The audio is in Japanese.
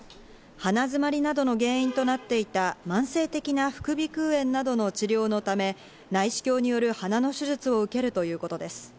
鼻づまりなどの原因となっていた慢性的な副鼻腔炎などの治療のため、内視鏡による鼻の手術を受けるということです。